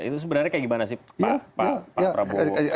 itu sebenarnya kayak gimana sih pak prabowo